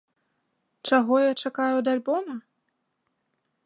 Чаго я чакаю ад альбома?